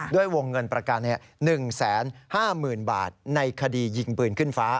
ด้วยวงเงินประกัน๑๕๐๐๐บาทในคดียิงปืนขึ้นฟ้า